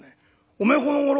おめえこのごろ